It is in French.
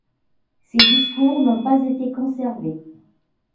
Ses discours n'ont pas été conservés.